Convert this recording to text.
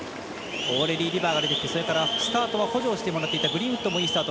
オーレリー・リバーそれから、スタートは補助をしてもらっていたグリーンウッドがいいスタート。